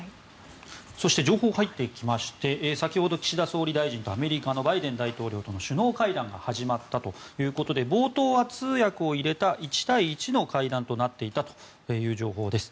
そして情報が入ってきまして先ほど岸田総理大臣とアメリカのバイデン大統領との首脳会談が始まったということで冒頭は通訳を入れた１対１の会談となっていたという情報です。